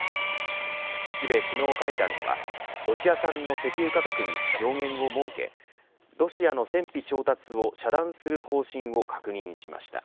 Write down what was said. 日米首脳会談ではロシア産の石油価格に上限を設けロシアの戦費調達を遮断する方針を確認しました。